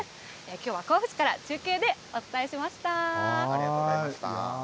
きょうは甲府市から中継でお伝えしました。